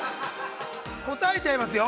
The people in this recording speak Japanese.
答えちゃいますよ？